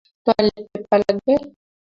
Toilet paper লাগবে?